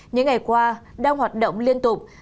những ngày qua đang hoạt động liên tục